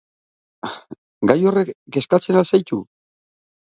Gai horrek kezkatzen al zaitu?